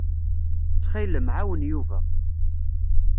Ttxil-m, ɛawen Yuba.